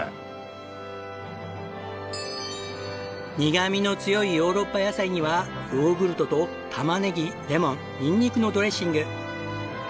苦みの強いヨーロッパ野菜にはヨーグルトとタマネギレモンニンニクのドレッシング。